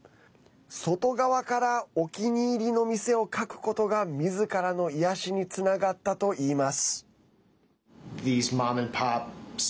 外側からお気に入りの店を描くことがみずからの癒やしにつながったといいます。